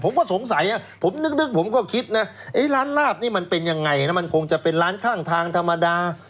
ผมก็สงสัยผมนึกผมก็คิดนะร้านลาบนี่มันเป็นยังไงนะมันคงจะเป็นร้านข้างทางธรรมดา